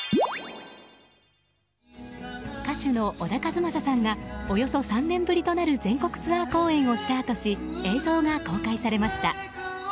歌手の小田和正さんがおよそ３年ぶりとなる全国ツアー公演をスタートし映像が公開されました。